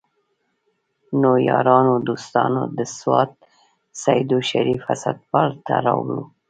نو يارانو دوستانو د سوات سيدو شريف هسپتال ته راوړو